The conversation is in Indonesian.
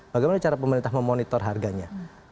bagaimana cara pemerintah memonitor harganya